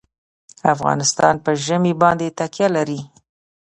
افغانستان په ژمی باندې تکیه لري.